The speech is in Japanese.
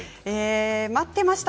待っていました！